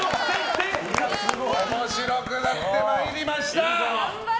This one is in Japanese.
面白くなってまいりました！